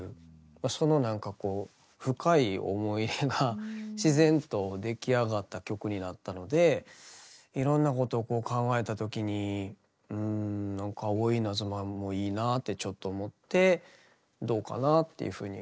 そのなんかこう深い思い入れが自然と出来上がった曲になったのでいろんなことをこう考えた時になんか「青いイナズマ」もいいなあってちょっと思ってどうかなっていうふうに。